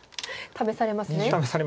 試されます。